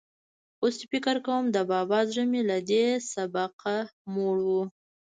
اوس چې فکر کوم، د بابا زړه مې له دې سبقه موړ و.